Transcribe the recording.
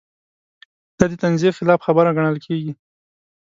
دا د تنزیې خلاف خبره ګڼل کېږي.